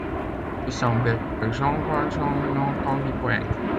Il semblait que Jean Valjean n’entendît point.